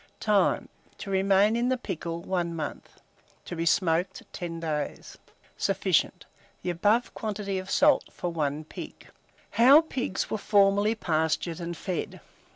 Time. To remain in the pickle 1 month, to be smoked 10 days. Sufficient. The above quantity of salt for 1 pig. HOW PIGS WERE FORMERLY PASTURED AND FED.